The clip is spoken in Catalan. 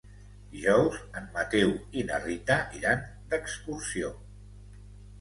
Dijous en Mateu i na Rita iran d'excursió.